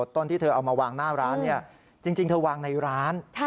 ต้นที่เธอเอามาวางหน้าร้านจริงเธอวางในร้าน